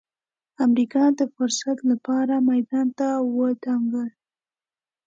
امریکا د فرصت لپاره میدان ته ودانګل.